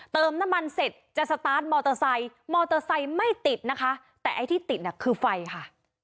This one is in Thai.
เติมน้ำมันเสร็จจะสตาร์ทมอเตอร์ไซค์มอเตอร์ไซค์ไม่ติดนะคะแต่ไอ้ที่ติดน่ะคือไฟค่ะ